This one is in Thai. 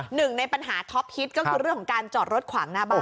หนึ่งในปัญหาท็อปฮิตก็คือเรื่องของการจอดรถขวางหน้าบ้าน